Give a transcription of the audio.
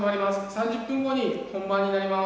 ３０分後に本番になります。